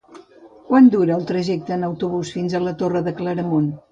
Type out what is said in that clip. Quant dura el trajecte en autobús fins a la Torre de Claramunt?